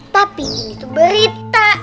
tapi ini berita